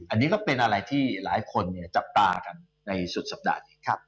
อันนี้ก็เป็นอะไรที่หลายคนจับตากันในสุดสัปดาห์นี้